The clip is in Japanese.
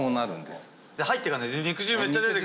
で入って行かないで。